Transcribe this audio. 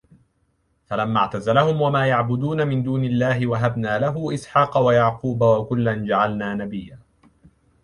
فَلَمَّا اعْتَزَلَهُمْ وَمَا يَعْبُدُونَ مِنْ دُونِ اللَّهِ وَهَبْنَا لَهُ إِسْحَاقَ وَيَعْقُوبَ وَكُلًّا جَعَلْنَا نَبِيًّا